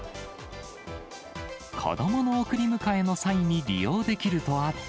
子どもの送り迎えの際に利用できるとあって。